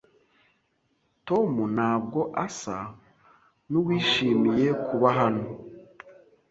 Tom ntabwo asa nuwishimiye kuba hano.